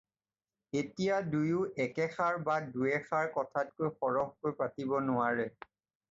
এতিয়া দুয়ো একেষাৰ বা দুৱেষাৰ কথাতকৈ সৰহকৈ পাতিব নোৱাৰে।